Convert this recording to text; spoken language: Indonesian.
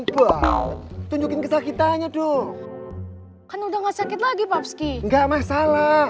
coba tunjukin kesakitannya doh kan udah enggak sakit lagi papski enggak masalah